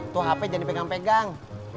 tua hp jadi pegang pegang